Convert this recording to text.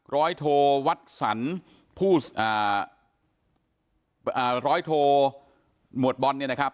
ร้อยโทวัดสรรผู้อ่าร้อยโทหมวดบอลเนี่ยนะครับ